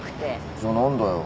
じゃ何だよ。